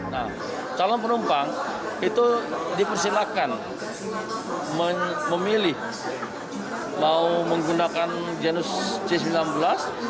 nah calon penumpang itu dipersilakan memilih mau menggunakan ginos